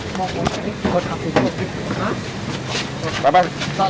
ล้มทั้งหมดจากสภาวะอะไรมันพร่างเหรอ